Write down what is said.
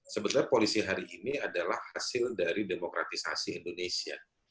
sebenarnya polisi hari ini adalah hasil dari demokratisasi indonesia